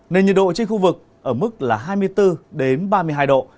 nền nhiệt độ trên khu vực ở mức là hai mươi bốn ba mươi hai độ